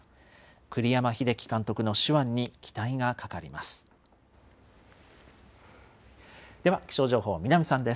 栗山英樹監督の手腕に期待がかかります。